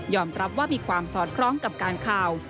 รับว่ามีความสอดคล้องกับการข่าว